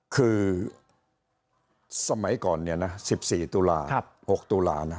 คือสมัยก่อนเนี่ยนะ๑๔ตุลา๖ตุลานะ